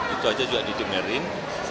itu aja juga didemerin